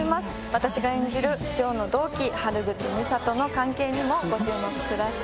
私が演じる城の同期春口光咲との関係にもご注目ください。